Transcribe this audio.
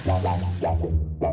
aku gak mau